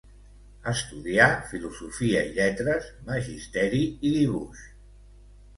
Estudià Filosofia i Lletres, Magisteri i dibuix.